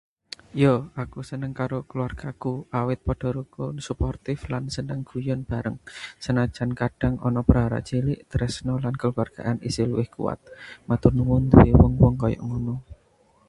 Ya, aku seneng karo kulawargaku. Awit padha rukun, suportif, lan seneng guyon bareng. Senajan kadhang ana prahara cilik, tresna lan kekeluargaan isih luwih kuwat. Matur nuwun nduwé wong-wong kaya ngono.